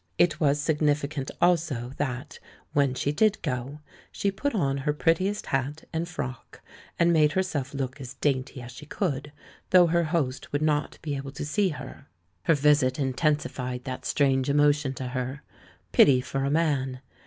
It was significant also that, when she did go, she put on her prettiest hat and frock and made herself look as dainty as she could, though her host would not be able to see her. Her visit intensified that strange emotion to her, pity for a man.